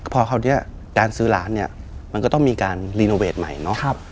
พอคราวนี้การซื้อร้านเนี่ยมันก็ต้องมีการรีโนเวทใหม่เนาะ